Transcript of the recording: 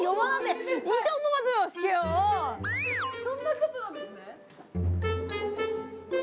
そんなちょっとなんですね。